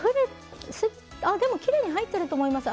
でもきれいに入ってると思います。